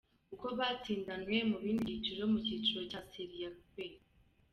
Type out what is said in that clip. Uko batsindanwe mu bindi byiciro, mu kiciro cya serie B: .